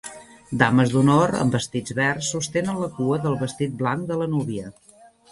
Dames d'honor amb vestits verds sostenen la cua del vestit blanc de la núvia.